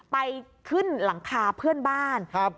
ไปขึ้นหลังคาเพื่อนบ้านครับ